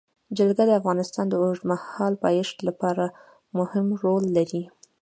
جلګه د افغانستان د اوږدمهاله پایښت لپاره مهم رول لري.